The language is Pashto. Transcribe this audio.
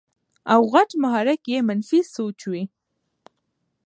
او غټ محرک ئې منفي سوچ وي -